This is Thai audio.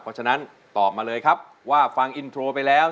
เพราะฉะนั้นตอบมาเลยครับว่าฟังอินโทรไปแล้ว